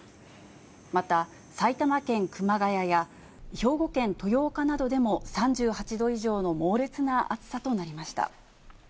また埼玉県熊谷や兵庫県豊岡などでも３８度以上の猛烈な暑さとなりました。